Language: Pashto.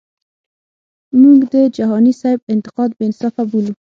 مونږ د جهانی سیب انتقاد بی انصافه بولو.